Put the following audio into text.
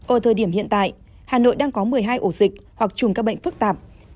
ở thời điểm hiện tại hà nội đang có một mươi hai ổ dịch hoặc chùm các bệnh phức tạp